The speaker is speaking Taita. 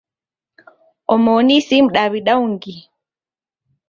Omoni si mdaw'ida ungi.